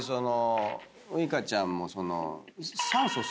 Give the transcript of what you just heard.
ウイカちゃんもその。